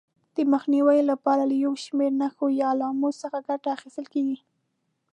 د مخنیوي لپاره له یو شمېر نښو یا علامو څخه ګټه اخیستل کېږي.